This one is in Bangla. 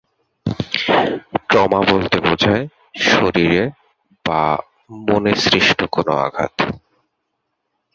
ট্রমা বলতে বোঝায়, শরীরে বা মনে সৃষ্ট কোন আঘাত।